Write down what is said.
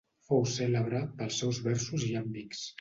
Fou cèlebre pels seus versos iàmbics.